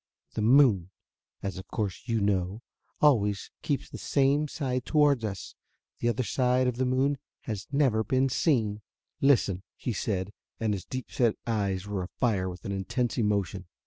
The moon, as of course you know, always keeps the same side toward us. The other side of the moon has never been seen. "Listen," he said, and his deep set eyes were afire with an intense emotion.